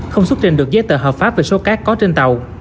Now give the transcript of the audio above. không xuất trình được giấy tờ hợp pháp về số cát có trên tàu